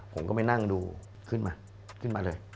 ผมก็ไปนั่งดูขึ้นมาขึ้นมาเลย